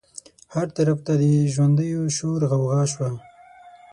هر طرف ته د ژوندیو شور غوغا شوه.